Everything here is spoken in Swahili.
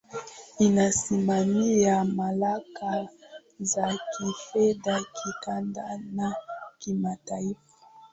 inasimamia mamlaka za kifedha kikanda na kimataifa